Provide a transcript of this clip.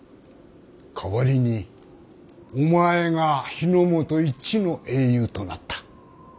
代わりにお前が日本一の英雄となった。